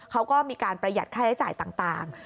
เขาก็มีการประหยัดค่าใช้จ่ายต่าง